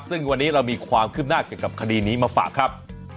ซึ่งวันนี้เรามีความคืบหน้าเกี่ยวกับคดีนี้มาฝากครับ